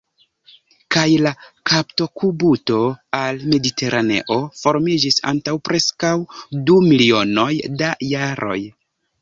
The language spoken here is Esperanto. Kaj la kaptokubuto al Mediteraneo formiĝis antaŭ preskaŭ du milionoj da jaroj.